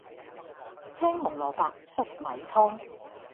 青紅蘿蔔粟米湯